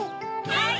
はい！